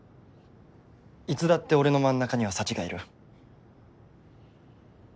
いつだって俺の真ん中にはサチがいる。